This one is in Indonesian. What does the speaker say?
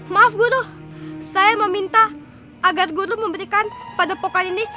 maaf guru saya meminta agar guru memberikan padepokan ini